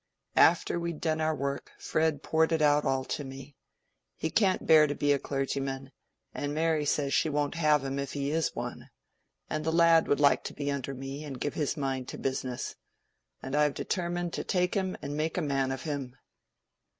"After we'd done our work, Fred poured it all out to me. He can't bear to be a clergyman, and Mary says she won't have him if he is one; and the lad would like to be under me and give his mind to business. And I've determined to take him and make a man of him."